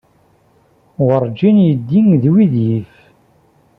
Werǧin yeddi d wid yif.